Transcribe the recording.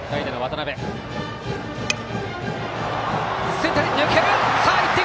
センターに抜ける！